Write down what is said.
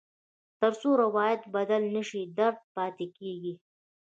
تر څو روایت بدل نه شي، درد پاتې کېږي.